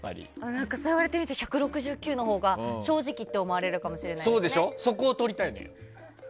そう言われてみると１６９のほうが正直ってそこを取りたいのよ。